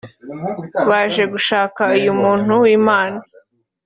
baje gushaka uyu muntu w’Imana…